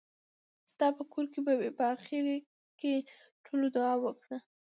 ستاپه کور کې به وي. په اخېر کې ټولو دعا وکړه .